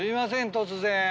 突然。